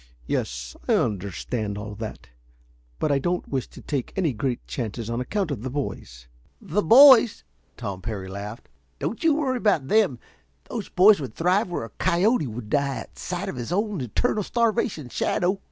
"Yes, I understand all that. But I don't wish to take any great chances on account of the boys." "The boys?" Tom Parry laughed. "Don't you worry about them. Those boys would thrive where a coyote would die at sight of his own eternal starvation shadow."